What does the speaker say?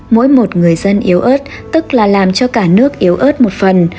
mỗi một người dân yếu ớt tức là làm cho cả nước yếu ớt một phần